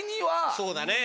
そうだね。